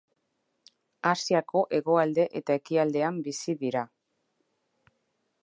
Asiako hegoalde eta ekialdean bizi dira.